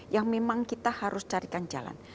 yang memang kita harus carikan jalan